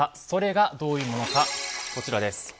それがどういうものか、こちら。